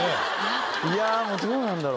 いやもうどうなんだろ。